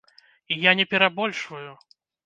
І я не перабольшваю!